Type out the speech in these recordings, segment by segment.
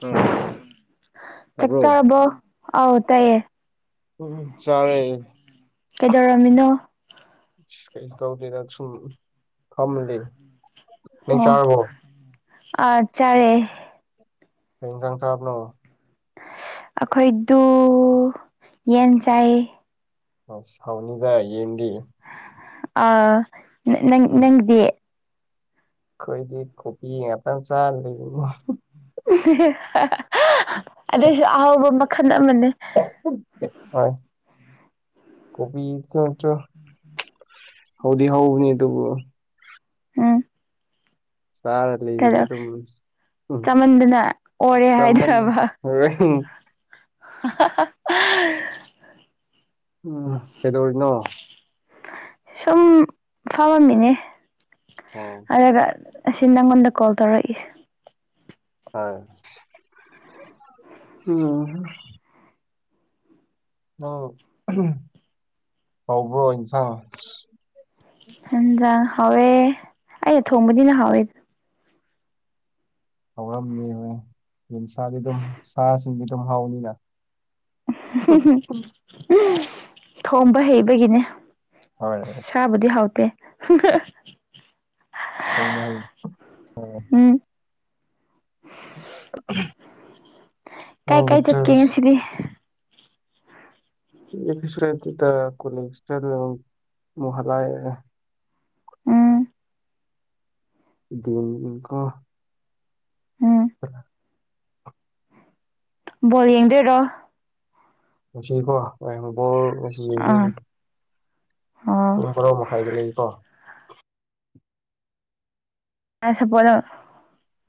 ꯎꯝ ꯆꯥꯛ ꯇꯥꯕ꯭ꯔꯣ ꯆꯔꯕꯣ ꯑꯥꯎ ꯇꯥꯏꯌꯦ ꯎꯝ ꯆꯔꯦ ꯀꯩꯗꯧꯔꯝꯃꯤꯅꯣ ꯀꯩꯁꯨ ꯇꯧꯗꯦꯗ ꯁꯨꯝ ꯐꯝꯂꯤ ꯅꯪ ꯑꯣ ꯆꯥꯔꯕꯣ ꯑꯥ ꯆꯥꯔꯦ ꯀꯩ ꯏꯟꯖꯥꯡ ꯆꯥꯕꯅꯣ ꯑꯩꯈꯣꯏꯗꯨ ꯌꯦꯟ ꯆꯥꯏꯌꯦ ꯑꯁ ꯍꯥꯎꯅꯤꯗꯥ ꯌꯦꯟꯗꯤ ꯑ ꯅꯪ ꯅꯪ ꯅꯪꯗꯤ ꯑꯩꯈꯣꯏꯗꯤ ꯀꯣꯕꯤ ꯉꯥꯛꯇꯪ ꯆꯥ ꯂꯩꯕꯕꯨ ꯑꯗꯨꯏꯁꯨ ꯑꯍꯥꯎꯕ ꯃꯈꯟ ꯑꯃꯅꯦ ꯍꯣꯏ ꯀꯣꯕꯤ ꯆꯟꯇ꯭ꯔꯨ ꯍꯧꯗꯤ ꯍꯧꯕꯅꯤ ꯇꯨꯕꯨ ꯍꯝ ꯆꯥꯔ ꯂꯩꯕꯗꯤ ꯇꯂꯧ ꯑꯗꯨꯝ ꯎꯝ ꯆꯃꯟꯗꯅ ꯑꯣꯔꯦ ꯆꯥꯃꯟ ꯍꯥꯏꯗ꯭ꯔꯕ [unintelligible] [inaudible] ꯎꯝ ꯀꯩꯗꯧꯔꯤꯅꯣ ꯁꯨꯝ ꯐꯃꯝꯃꯤꯅꯦ ꯑꯣ ꯑꯗꯨꯒ ꯑꯁꯤ ꯅꯪꯉꯣꯟꯗ ꯀꯣꯜ ꯇꯧꯔꯛꯏꯁꯦ ꯍꯥꯏ ꯎꯝꯍꯝ ꯅꯪ ꯍꯥꯎꯕ꯭ꯔꯣ ꯏꯟꯁꯥꯡ ꯍꯟꯖꯥꯡ ꯍꯥꯎꯋꯦ ꯑꯩꯅ ꯊꯣꯡꯕꯗꯤꯅ ꯍꯥꯎꯋꯦ ꯍꯧꯔꯝꯅꯤ ꯍꯣꯏ ꯌꯦꯟꯁꯥꯗꯤ ꯑꯗꯨꯝ ꯁꯥꯁꯤꯡꯗꯤ ꯑꯗꯨꯝ ꯍꯥꯎꯅꯤꯅ ꯊꯣꯝꯕ ꯍꯩꯕꯒꯤꯅꯦ ꯍꯣꯏ ꯆꯥꯕꯨꯗꯤ ꯍꯥꯎꯇꯦ ꯊꯣꯡꯕ ꯍꯩ ꯎꯝ [inaudible] ꯀꯥꯏ ꯅꯪꯗꯤ ꯀꯥꯏ ꯆꯠꯀꯦ ꯗ꯭ꯔꯦꯁ ꯉꯁꯤꯗꯤ ꯏꯌꯥꯄꯤꯁꯨ ꯂꯩꯇꯦꯇꯥ ꯀꯣꯂꯦꯁ ꯆꯠꯂꯧ ꯑꯃꯨꯛ ꯍꯂꯥꯏꯌꯦ ꯎꯝ ꯗꯦ ꯑꯝ ꯏꯝꯐꯥꯜ ꯎꯝ [unintelligible] ꯕꯣꯜ ꯌꯦꯡꯗꯣꯏꯔꯣ ꯉꯁꯤꯀꯣ ꯍꯣꯌꯦꯡ ꯕꯣꯜ ꯉꯁꯤ ꯑꯥ ꯌꯦꯡꯗꯣꯏꯅꯤ ꯑꯣ ꯄꯨꯡ ꯕꯔꯧ ꯃꯈꯥꯏꯗ ꯂꯩꯀꯣ ꯑꯥ ꯁꯄꯣꯔꯠꯔꯣ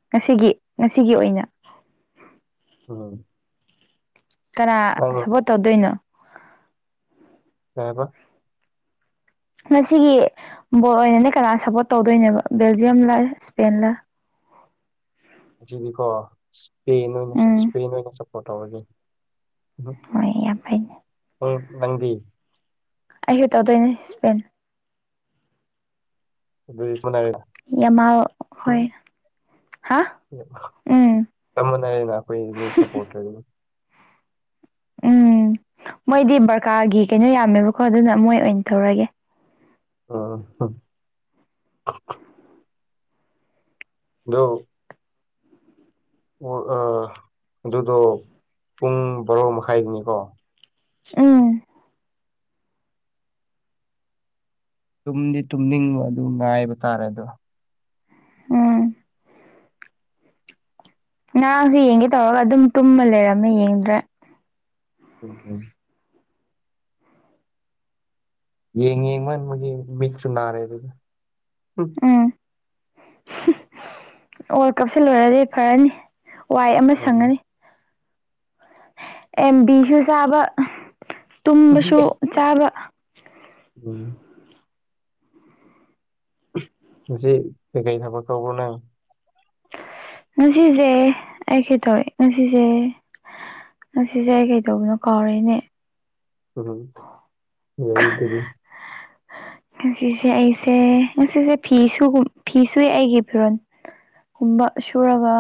ꯉꯁꯤꯒꯤ ꯉꯁꯤꯒꯤ ꯑꯣꯏꯅ ꯎꯝ ꯀꯅꯥ ꯅꯪ ꯁꯞꯕꯣꯠ ꯇꯧꯗꯣꯏꯅꯣ ꯀꯩ ꯍꯥꯏꯕ ꯃꯁꯤꯒꯤ ꯕꯣꯜ ꯑꯣꯏꯅꯅꯦ ꯀꯅꯥ ꯁꯞꯄꯣꯔꯠ ꯇꯧꯗꯣꯏꯅꯦꯕ ꯕꯦꯜꯖꯤꯌꯝꯂ ꯏꯁꯄꯦꯟꯂ ꯑꯁꯤꯗꯤꯀꯣ ꯏꯁꯄ ꯑꯣꯏꯅ ꯎꯝ ꯏꯁꯄꯦꯟ ꯑꯣꯏꯅ ꯁꯞꯄꯣꯔꯠ ꯇꯧꯔꯒꯦ ꯍꯣꯏ ꯌꯥꯝ ꯐꯩꯅꯦ ꯎ ꯅꯪꯗꯤ ꯑꯩꯁꯨ ꯇꯧꯗꯣꯏꯅꯦ ꯁꯄꯦꯟ ꯑꯗꯨ ꯃꯅ ꯌꯥꯝꯃ ꯍꯣꯏ ꯍꯥ ꯎꯝ ꯆꯝꯕꯅꯏꯗꯅ ꯑꯩꯈꯣꯏꯅꯤ ꯁꯞꯄꯣꯔꯇꯔꯅꯤ ꯎꯝ ꯃꯣꯏꯗꯤ ꯕꯔꯀꯥꯔꯒꯤ ꯀꯩꯅꯣ ꯌꯥꯝꯃꯦꯕꯀꯣ ꯑꯗꯨꯅ ꯃꯣꯏ ꯑꯣꯏꯅ ꯇꯧꯔꯒꯦ ꯑ ꯅꯣ ꯑꯣ ꯑꯥ ꯑꯗꯨꯗꯣ ꯄꯨꯡ ꯕꯔꯣ ꯃꯈꯥꯏꯅꯤꯀꯣ ꯎꯝ ꯇꯨꯝꯗꯤ ꯇꯨꯝꯅꯤꯡꯕ ꯑꯗꯨ ꯉꯥꯏꯕ ꯇꯥꯔꯦ ꯑꯗꯣ ꯎꯝ ꯅꯔꯥꯁꯨ ꯌꯦꯡꯒꯦ ꯇꯧꯔꯒ ꯑꯗꯨꯝ ꯇꯨꯝꯃ ꯂꯩꯔꯝꯃꯦ ꯌꯦꯡꯗ꯭ꯔꯦ ꯎꯝ ꯎꯝ ꯌꯦꯡ ꯌꯦꯡꯃꯟꯕꯒꯤ ꯃꯤꯠꯇꯨ ꯅꯥꯔꯦ ꯑꯗꯨꯗꯤ ꯎꯝ ꯑꯣ ꯀꯥꯎꯁꯂꯣꯏꯔꯗꯤ ꯐꯔꯅꯤ ꯋꯥꯏ ꯑꯃ ꯁꯪꯉꯅꯤ ꯑꯦꯝ ꯕꯤꯁꯨ ꯆꯥꯕ ꯇꯨꯝꯕꯁꯨ ꯆꯥꯕ ꯎꯝ ꯏꯁꯤ ꯀꯒꯥꯏ ꯊꯕꯈꯕ ꯅ ꯉꯁꯤꯁꯦ ꯑꯩ ꯀꯩꯇꯧꯋꯦ ꯉꯁꯤꯁꯦ ꯉꯁꯤꯁꯦ ꯑꯩ ꯀꯩꯗꯧꯕꯅꯣ ꯀꯥꯎꯔꯅꯦ ꯎꯝ ꯍꯗꯅꯦ ꯑ ꯉꯁꯤꯁꯦ ꯑꯩꯁꯦ ꯉꯁꯤꯁꯦ ꯐꯤ ꯁꯨꯒ ꯐꯤ ꯁꯨꯏ ꯑꯩꯒꯤ ꯐꯤꯔꯣꯟꯜ ꯨꯝꯕ ꯁꯨꯔꯒ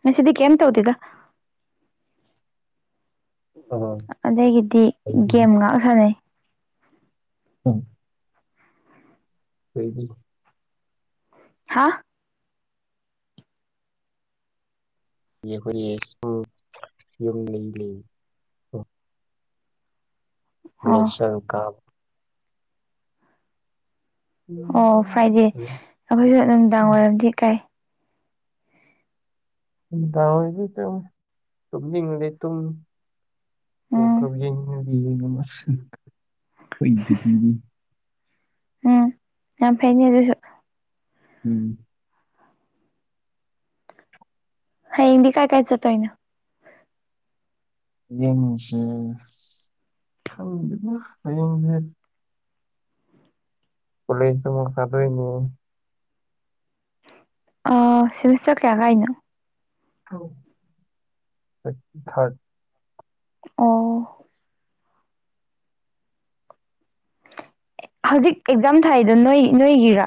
ꯉꯁꯤꯗꯤ ꯀꯩꯝ ꯇꯧꯗꯦꯗ ꯑꯥ ꯑꯗꯒꯤꯗꯤ ꯑꯩꯗꯤ ꯒꯦꯝ ꯉꯥꯛ ꯁꯥꯟꯅꯩ ꯑ ꯎꯝ ꯎꯝ ꯍꯥ ꯑꯩꯈꯣꯏꯒꯤ ꯁꯨꯝ ꯌꯨꯝ ꯂꯩ ꯂꯩ ꯑꯣ ꯂꯁꯪ ꯀꯥ ꯑꯣ ꯐ꯭ꯔꯥꯏꯗꯦ ꯑꯩꯈꯣꯏꯁꯨ ꯅꯨꯅꯨꯡꯗꯥꯡ ꯋꯥꯏꯔꯝꯗꯤ ꯀꯥꯏ ꯑꯣꯏ ꯊ ꯇ ꯑꯣ ꯎꯝ ꯀꯕꯤ ꯐꯔꯤꯗꯤ ꯎꯝ ꯌꯥꯝ ꯐꯩꯅꯦ ꯑꯗꯨꯁꯨ ꯎꯝ ꯍ ꯍꯗꯤ ꯀꯥꯏ ꯀꯥꯏ ꯆ ꯇꯣꯏꯅ ꯌꯦꯡꯁꯦ ꯈꯪꯗꯅ ꯍꯌꯦꯡꯁꯦ ꯀꯂ ꯃ ꯁꯗꯏꯅꯤ ꯑ ꯁꯦꯃꯤꯁꯇꯔ ꯀꯌꯥ ꯀꯥꯏꯅꯣ ꯊꯥꯔꯠ ꯑꯣ ꯍꯧꯖꯤꯛ ꯑꯦꯛꯖꯥꯝ ꯊꯥꯏꯗꯣ ꯅꯣꯏ ꯅꯣꯏꯒꯤꯔꯥ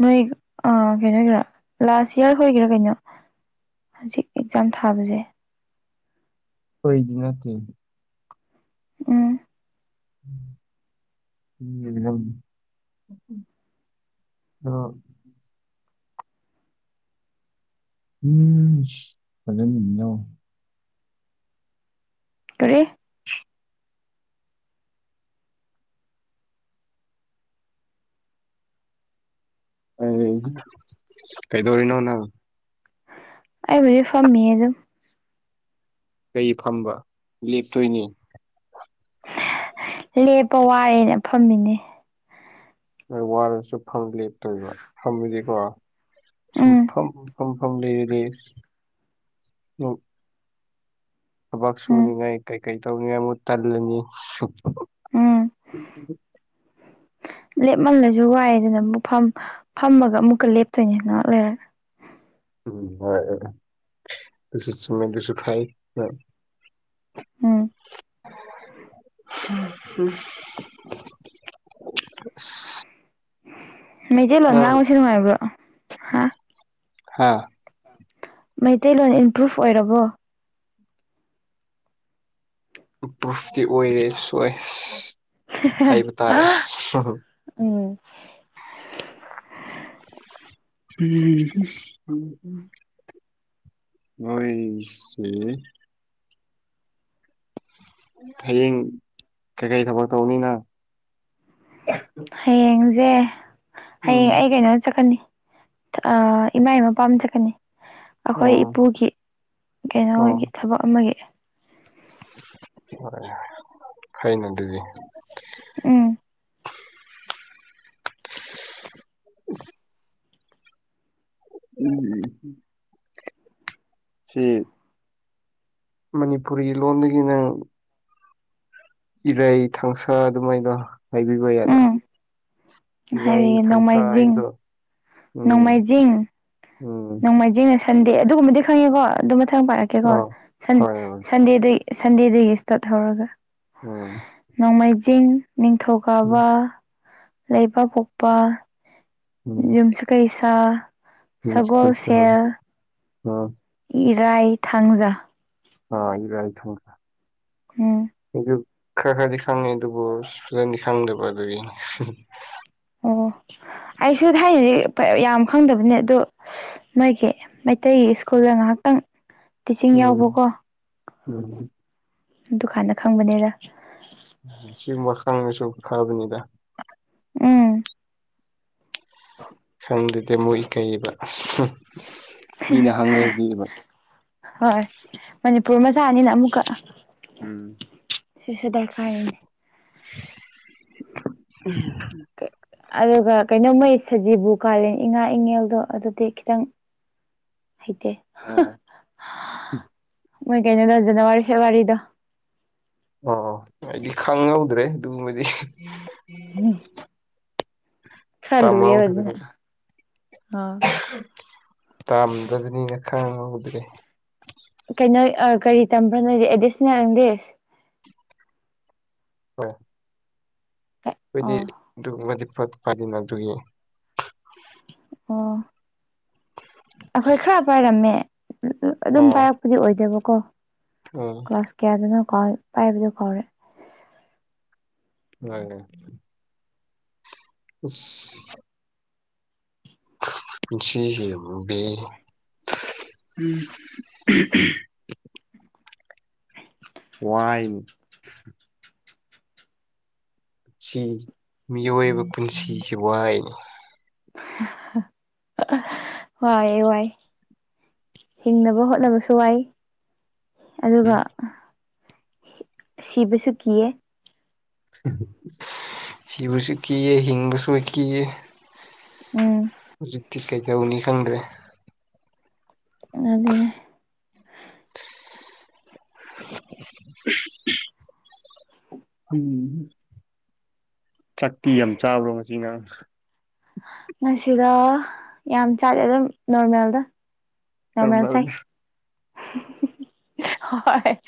ꯅꯣꯏ ꯀꯩꯅꯣ ꯑꯣꯏꯒꯦꯔꯥ ꯂꯥꯁ ꯏꯌꯥꯔ ꯑꯣꯏꯒꯦꯔꯥ ꯀꯩꯅꯣ ꯍꯧꯖꯤꯛ ꯑꯦꯛꯖꯥꯝ ꯊꯥꯕꯁꯦ ꯍꯣꯏꯗꯤ ꯅꯠꯇ ꯑꯣꯏꯗꯤ ꯎꯝ ꯎꯝ ꯑ ꯎꯝ ꯐꯖꯅꯤꯣ ꯀꯔꯦ [unintelligible] ꯑ ꯀꯩꯗꯧꯔꯤꯅꯣꯅ ꯑꯩꯕꯨꯖꯤꯛ ꯐꯝꯃꯤ ꯑꯗꯨꯝ ꯀꯩ ꯐꯝꯕ ꯂꯦꯞꯇꯣꯏꯅꯤ ꯂꯦꯞꯄ ꯋꯥꯔꯦꯅ ꯐꯝꯃꯤꯅꯦ ꯅ ꯋꯥꯔꯁꯨ ꯐꯝ ꯂꯦꯞꯇꯣꯏꯕ ꯐꯝꯃꯤꯗꯤꯀꯣ ꯎꯝ ꯁꯨꯝꯐꯝꯝ ꯐꯝꯐꯝ ꯂꯩ ꯂꯩ ꯊꯕꯛ ꯎꯝ ꯁꯨꯅꯤꯡꯉꯥꯏ ꯀꯩꯀꯩ ꯇꯧꯅꯤꯡꯉꯥꯏ ꯑꯃꯨꯛ ꯇꯜꯂꯅꯤ ꯎ ꯂꯦꯞꯃꯜꯂꯁꯨ ꯋꯥꯏꯦꯗꯅ ꯑꯃꯨꯛ ꯐ ꯐꯝꯃꯒ ꯑꯃꯨꯛꯀ ꯂꯦꯞꯇꯣꯏꯅꯦ ꯉꯍꯥꯛ ꯂꯩꯔꯒ ꯎꯝ ꯍꯣꯏ ꯑꯗꯨꯁꯁꯨ ꯃꯗꯨꯁꯨ ꯐꯥꯏ ꯎꯝ ꯝ ꯃꯩꯇꯩꯂꯣꯟ ꯉꯥꯡꯕꯁꯦ ꯅꯨꯡꯉꯥꯏꯕ꯭ꯔꯣ ꯍꯥ ꯍꯥꯥ ꯃꯩꯇꯩꯂꯣꯟ ꯏꯝꯄ꯭ꯔꯨꯚ ꯑꯣꯏꯔꯕꯣ ꯏꯝꯄ꯭ꯔꯨꯐꯇꯤ ꯑꯣꯏꯔꯦ ꯁꯣꯏ ꯍꯥꯏꯕ ꯇꯥꯔꯦ ꯑ ꯎꯝ ꯎꯝ ꯍ ꯎꯝ ꯎꯝ ꯍꯣꯏꯁꯦ ꯍꯌꯦꯡ ꯀꯩꯀꯩ ꯊꯕꯛ ꯇꯧꯅꯤ ꯅꯪ ꯍꯌꯦꯡꯁꯦ ꯎꯝ ꯍꯌꯦꯡ ꯑꯩ ꯀꯩꯅꯣꯗ ꯆꯠꯀꯅꯤ ꯏꯃꯥ ꯏꯃ ꯄꯥꯝꯖꯀꯅꯤ ꯑꯩꯈꯣꯏ ꯑꯣ ꯏꯄꯨꯒꯤ ꯀꯩꯅꯣꯒꯤ ꯊꯕꯛ ꯑꯃꯒꯤ ꯍ ꯈꯩꯅ ꯑꯗꯨꯗꯤ ꯎꯝ ꯎꯝ ꯁꯤ ꯃꯅꯤꯄꯨꯔꯤ ꯂꯣꯟꯗꯒꯤ ꯅꯪ ꯏꯔꯩ ꯊꯥꯡꯁꯥ ꯑꯗꯨꯃꯥꯏꯗꯣ ꯍꯥꯏꯕꯤꯕ ꯌꯥꯗ꯭ꯔ ꯎꯝ ꯏ ꯑꯩ ꯍꯥꯏꯕꯤꯒꯦ ꯊꯪꯁ ꯅꯣꯡꯃꯥꯏꯖꯤꯡ ꯍꯥꯏꯗꯣ ꯅꯣꯡꯃꯥꯏꯖꯤꯡ ꯎꯝ ꯅꯣꯡꯃꯥꯏꯖꯤꯡꯅ ꯁꯟꯗꯦ ꯑꯗꯨꯒꯨꯝꯕꯗꯤ ꯈꯪꯉꯦꯀꯣ ꯑꯗꯨ ꯃꯊꯪ ꯄꯥꯔꯛꯀꯦ ꯀꯦꯀꯣ ꯑꯥ ꯁꯟ ꯍꯣꯏ ꯍꯣꯏ ꯁꯟꯗꯦꯗꯒꯤ ꯁꯟꯗꯦꯗꯒꯤ ꯏꯁꯇꯥꯔꯠ ꯍꯧꯔꯒ ꯎꯝ ꯅꯣꯡꯃꯩꯖꯤꯡ ꯎꯝ ꯅꯤꯡꯊꯧꯀꯥꯕ ꯂꯩꯕꯥꯛꯄꯣꯛꯄ ꯎꯝ ꯌꯨꯝꯁꯥꯀꯩꯁꯥ ꯁꯒꯣꯜꯁꯦꯜ unintelligible ꯏꯔꯥꯏ ꯊꯥꯡꯖꯥ inaudible ꯎꯝ ꯈꯔ ꯈꯔꯗꯤ ꯈꯪꯉꯦ ꯑꯗꯨꯕꯨ ꯐꯖꯅꯗꯤ ꯈꯪꯗꯕ ꯑꯗꯨꯒꯤ ꯑꯣ ꯑꯩꯁꯨ ꯊꯥꯏꯅꯗꯤ ꯌꯥꯝ ꯈꯪꯗꯕꯅꯦ ꯑꯗꯨ ꯃꯣꯏꯒꯤ ꯃꯩꯇꯩꯒꯤ ꯁ꯭ꯀꯨꯜꯗ ꯉꯥꯏꯍꯥꯛꯇꯪ ꯇꯤꯆꯤꯡ ꯎꯝ ꯌꯥꯎꯕꯀꯣ ꯎꯝ ꯗꯨꯀꯥꯟꯗ ꯈꯪꯕꯅꯦꯗ inaudible ꯎꯝ ꯈꯪꯗꯦꯗ ꯃꯣꯏ ꯀꯩꯕ ꯑꯁ ꯃꯤꯅ ꯍꯪꯂꯗꯤꯕ ꯍꯣꯏ ꯃꯅꯤꯄꯨꯔ ꯃꯆꯥꯅꯤꯅ ꯑꯃꯨꯛꯀ ꯎꯝ ꯁꯤꯁꯨ ꯗꯔꯀꯥꯔꯅꯤꯅꯦ ꯑꯗꯨꯒ ꯀꯩꯅꯣ ꯃꯣꯏ ꯁꯖꯤꯕꯨ ꯀꯥꯂꯦ ꯏꯉꯥ ꯏꯉꯦꯜꯗꯣ ꯑꯗꯨꯗꯤ ꯈꯤꯇꯪ [unintelligible] ꯍꯩꯇꯦ ꯑꯣ ꯃꯣꯏ ꯀꯩꯅꯣꯗꯣ ꯖꯅꯋꯥꯔꯤ ꯐꯦꯕꯋꯥꯔꯤꯗꯣ ꯑꯣ ꯑꯩꯗꯤ ꯈꯪꯍꯧꯗ꯭ꯔꯦ ꯑꯗꯨꯒꯨꯝꯕꯗꯤ ꯎꯝ ꯈꯔ ꯇꯃ ꯂꯨꯏꯌꯦꯕ ꯑꯗꯨꯅ ꯎꯗꯒꯅꯤ [inaudible] ꯑ ꯇꯥꯝꯗꯕꯅꯤꯅ ꯈꯪꯍꯧꯗ꯭ꯔꯦ ꯀꯩꯅꯣ ꯑ ꯀꯔꯤ ꯇꯝꯕ꯭ꯔ ꯅꯣꯗꯤ ꯑꯦꯗꯤꯁꯅꯦꯜ ꯏꯪꯂꯤꯁ ꯍꯣꯢ ꯑꯩꯈꯣꯏꯗꯤ ꯑꯣ ꯑꯗꯨꯒꯨꯝꯕꯗꯤ ꯐ ꯐꯗꯅ ꯑꯗꯨꯒꯤ ꯑꯣ ꯑꯩꯈꯣꯏ ꯈꯔ ꯄꯥꯏꯔꯝꯃꯦ ꯑꯗꯨꯝ ꯑꯣ ꯄꯥꯏꯔꯛꯄꯗꯤ ꯑꯣꯏꯗꯦꯕꯀꯣ ꯎꯝ ꯀ꯭ꯂꯥꯁ ꯀꯌꯥꯗꯅꯣ ꯀꯥꯎꯋꯦ ꯄꯥꯏꯕꯗꯣ ꯀꯥꯎꯔꯦ unintelligible ꯎꯠ inaudible ꯋꯥꯏ ꯁꯤ ꯃꯤꯑꯣꯏꯕ ꯄꯨꯟꯁꯤꯁꯤ ꯋꯥꯏꯅꯤ ꯋꯥꯥꯢ ꯋꯥꯏ ꯍꯤꯡꯅꯕ ꯍꯣꯠꯅꯕꯁꯨ ꯋꯥꯏ ꯑꯗꯨꯒ ꯎꯝ ꯁꯤꯕꯁꯨ ꯀꯤꯌꯦ ꯁꯤꯕꯁꯨ ꯀꯤꯌꯦ ꯍꯤꯡꯕꯁꯨ ꯀꯤꯌꯦ ꯎꯝ ꯍꯧꯖꯤꯛꯇꯤ ꯀꯩꯗꯧꯅꯤ ꯈꯪꯗ꯭ꯔꯦ ꯑꯗꯨꯅꯦ [inaudible] ꯎꯝ ꯆꯥꯛꯇꯤ ꯌꯥꯝ ꯆꯥꯕ꯭ꯔꯣ ꯉꯁꯤ ꯉꯔꯥꯡ ꯉꯁꯤꯔ ꯌꯥꯝ ꯆꯥꯗꯦ ꯑꯗꯨꯝ ꯅꯣꯔꯃꯦꯜꯗ ꯅꯣꯔꯃꯦꯜ ꯆꯥꯏ ꯍꯣꯏ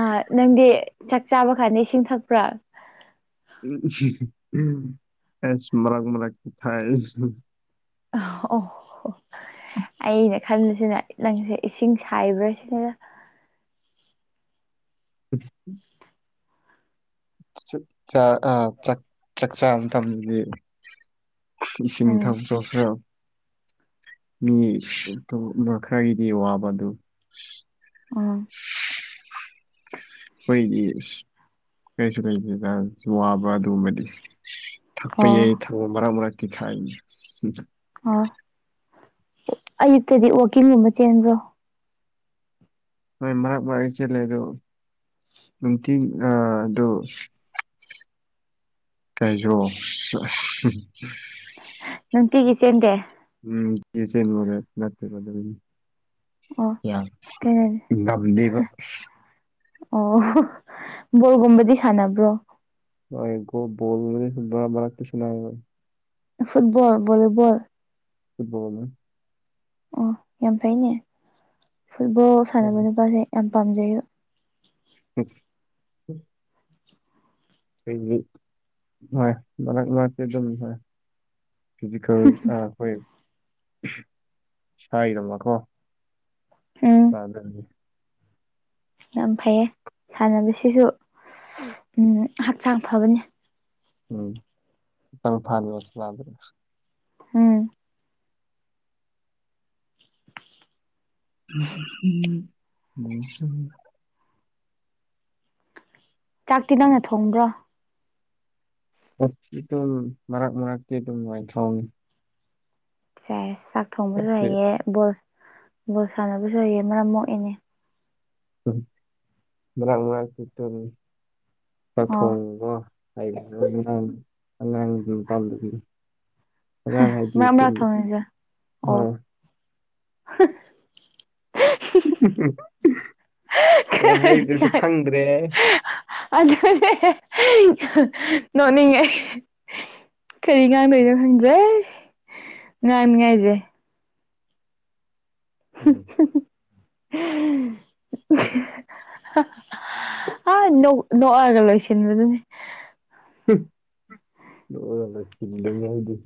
ꯑ ꯅꯪꯗꯤ ꯆꯥꯛ ꯆꯥꯕ ꯀꯥꯟꯗ ꯏꯁꯤꯡ ꯊꯛꯄ꯭ꯔꯥ ꯃꯔꯛ ꯃꯔꯛꯇꯥ ꯊꯥꯛꯌꯦ ꯑꯣ ꯑꯩꯅ ꯈꯟꯕꯁꯤꯅ ꯅꯪꯁꯦ ꯏꯁꯤꯡ ꯁꯥꯏꯕ꯭ꯔꯥ ꯁꯤꯅꯤꯗ ꯎ [inaudible] ꯑ ꯆꯥꯛ ꯆꯥꯛ ꯆꯥꯛ ꯆꯥꯕꯥ ꯃꯇꯝꯗꯗꯤ ꯏꯁꯤꯡ ꯎꯝ ꯊꯛꯄ꯭ꯔꯣ ꯈꯔꯥ ꯃꯤ ꯑꯗꯨꯝ ꯈꯔꯒꯤꯗꯤ ꯋꯥꯕ ꯑꯗꯨ ꯑꯥꯝ ꯑꯩꯈꯣꯏꯒꯤ ꯀꯔꯤꯁꯨ ꯋꯥꯕ ꯑꯗꯨꯒꯨꯝꯕꯗꯤ ꯊꯛꯄ ꯑꯣ ꯌꯥꯏ ꯊꯥꯛꯑꯣ ꯃꯔꯛ ꯃꯔꯛꯇ ꯊꯛꯏ ꯑꯣ ꯑꯌꯨꯛꯇꯗꯤ ꯋꯥꯛꯀꯤꯡꯒꯨꯝꯕ ꯆꯦꯟꯕ꯭ꯔꯣ ꯍꯣꯏ ꯃꯔꯛ ꯃꯔꯛ ꯆꯦꯜꯂꯦ ꯑꯗꯣ ꯅꯨꯡꯇꯤ ꯑ ꯑꯗꯣ ꯀꯥꯏꯖꯣ ꯁꯤꯁ ꯅꯨꯡꯇꯤꯒꯤ ꯆꯦꯟꯗꯦ ꯎꯝ ꯑꯣ [unintelligible] ꯀꯩꯅꯣ ꯉꯝꯗꯦꯕ ꯑꯣ ꯕꯣꯜꯒꯨꯝꯕꯗꯤ ꯁꯥꯟꯅꯕ꯭ꯔꯣ ꯑꯩꯗꯣ ꯕꯣꯜ ꯒꯨꯝꯕꯗꯤ ꯃꯔꯛ ꯃꯔꯛꯇ ꯁꯥꯟꯅꯩꯕ ꯐꯨꯠꯕꯣꯜ ꯕꯣꯜꯂꯤ ꯕꯣꯜ ꯐꯨꯠꯕꯣꯜ ꯑꯣ ꯌꯥꯝ ꯐꯩꯅꯦ ꯐꯨꯠꯕꯣꯜ ꯁꯥꯟꯅꯕ ꯅꯨꯄꯥꯁꯦ ꯌꯥꯝ ꯄꯥꯝꯖꯩꯕ ꯑꯣ [inaudible] ꯍꯣꯏ ꯃꯔꯛ ꯃꯔꯛꯇ ꯑꯗꯨꯝ ꯍꯣꯏ ꯐꯤꯖꯤꯀꯦꯜ ꯑꯩꯈꯣꯏ ꯏꯁꯥꯒꯤꯀꯣ ꯎꯝ ꯑ ꯑꯗꯨꯗꯤ ꯌꯥꯝ ꯐꯩꯌꯦ ꯁꯥꯟꯅꯕꯁꯤꯁꯨ ꯍꯛꯆꯥꯡ ꯐꯕꯅꯦ ꯎꯝ [unintelligible] ꯎꯝ [unintelligible] ꯆꯥꯛꯇꯤ ꯅꯪꯅ ꯊꯣꯡꯕ꯭ꯔꯣ ꯑꯗꯨꯝ ꯃꯔꯛ ꯃꯔꯛꯇꯤ ꯑꯗꯨꯝ ꯑꯩꯅ ꯑꯗꯨꯝ ꯊꯣꯡꯢ ꯁꯦꯁ ꯆꯥꯛ ꯊꯣꯡꯕꯁꯨ ꯍꯩꯌꯦ ꯕꯣꯜ ꯕꯣꯜ ꯁꯥꯟꯅꯕꯁꯨ ꯍꯩ ꯃꯔꯝ ꯃꯣꯛꯌꯦꯅꯦ ꯎꯝ ꯃꯔꯥꯛ ꯃꯔꯥꯛꯇ ꯑꯗꯧꯝ ꯆꯥꯛ ꯑꯣ ꯊꯣꯡꯕ ꯍꯥꯏꯥꯡ ꯑꯉꯥꯡ ꯑꯗꯨꯝ ꯇꯝ [inaudible] ꯍꯥꯏꯗꯤ ꯃ ꯃ ꯊꯣꯡꯒ ꯑꯣ ꯍꯣꯏ ꯀꯩ ꯍꯥꯏꯕꯗꯨꯁꯨ ꯈꯪꯗ꯭ꯔꯦ ꯑꯗꯨ ꯅꯣꯅꯤꯡꯉꯦ ꯀꯔꯤ ꯉꯥꯡꯕꯣꯏꯅꯣ ꯈꯪꯖꯩ ꯉꯥꯡꯅꯤꯉꯥꯏꯖꯦ ꯎꯝ [unintelligible] ꯑ ꯅꯣꯛꯑꯒ ꯂꯣꯏꯁꯤꯟꯕꯗꯨꯅꯤ ꯂ ꯁꯤꯟꯗ ꯍꯥꯏꯗꯤ